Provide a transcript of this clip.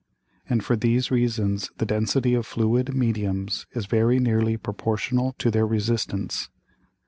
And for these Reasons the Density of fluid Mediums is very nearly proportional to their Resistance.